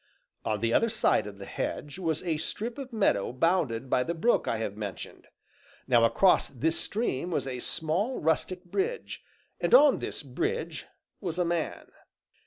On the other side of the hedge was a strip of meadow bounded by the brook I have mentioned; now across this stream was a small rustic bridge, and on this bridge was a man.